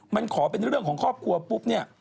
มันขอเป็นเรื่องของครอบครัวปุ๊บเนี่ย